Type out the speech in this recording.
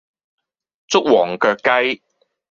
捉黃腳雞